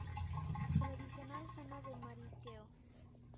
Tradicional zona de marisqueo.